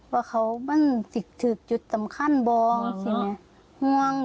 ว่าเขามันสิทธิจุดสำคัญบ้าง